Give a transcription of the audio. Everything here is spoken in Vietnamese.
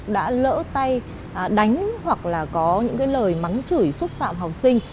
đã lỡ tay đánh hoặc là có những cái lời mắng chửi xúc phạm học sinh